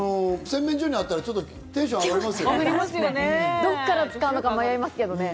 洗面所にあったら、ちょっとテンション上がりますよね。